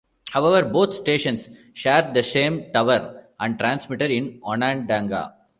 However, both stations shared the same tower and transmitter in Onondaga.